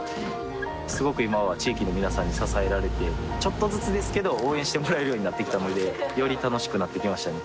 すごく今は地域の皆さんに支えられてちょっとずつですけど応援してもらえるようになってきたのでより楽しくなってきましたね